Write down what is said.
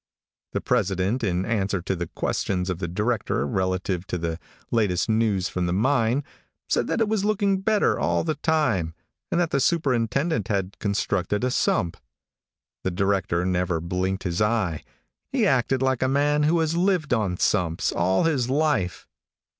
The president, in answer to the questions of the director relative to the latest news from the mine, said that it was looking better all the time, and that the superintendent had constructed a sump. The director never blinked his eye. He acted like a man who has lived on sumps all his life.